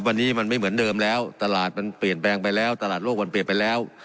วันนี้มันไม่เหมือนเดิมแล้วตลาดมันเปลี่ยนแปลงไปแล้วตลาดโลกมันเปลี่ยนไปแล้ว